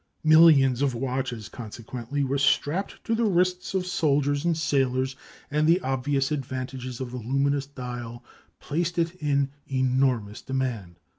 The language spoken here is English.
Millions of watches, consequently, were strapped to wrists of soldiers and sailors, and the obvious advantages of the luminous dial placed it in enormous demand.